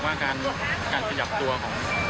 วางเสร็จแล้วเช่นกันนะครับ